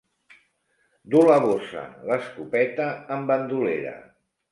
Dur la bossa, l'escopeta en bandolera.